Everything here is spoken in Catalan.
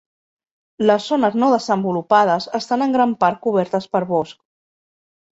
Les zones no desenvolupades estan en gran part cobertes per bosc.